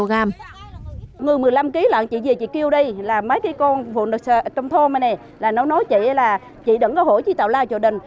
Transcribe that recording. người một mươi năm kg là chị về chị kêu đi là mấy cái con vụn trong thôn này là nó nói chị là chị đừng có hổ chị tạo lao cho đình